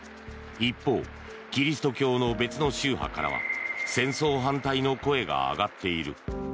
一方キリスト教の別の宗派からは戦争反対の声が上がっている。